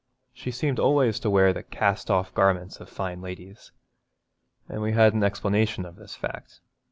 She seemed always to wear the cast off garments of fine ladies, and we had an explanation of this fact.